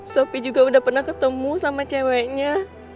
sopi juga udah pernah ketemu sama ceweknya